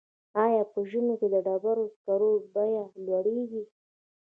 آیا په ژمي کې د ډبرو سکرو بیه لوړیږي؟